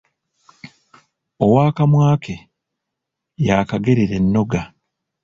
Ow’akamwa ke, y’akagerera ennoga.